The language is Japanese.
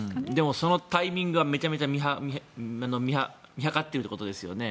そのタイミングをめちゃくちゃ見計らっているということですよね。